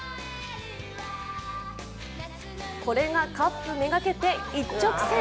これがカップ目がけて一直線。